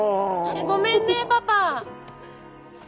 ごめんねパパ。